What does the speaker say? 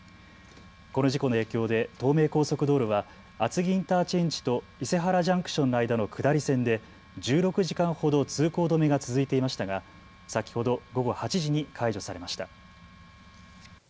この事故の影響で東名高速道路は厚木インターチェンジと伊勢原ジャンクションの間の下り線で１６時間ほど通行止めが続いていましたが先ほど午後８時に解除されました。